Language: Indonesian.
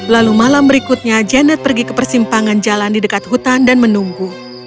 lalu malam berikutnya janet pergi ke persimpangan jalan di dekat hutan dan menunggu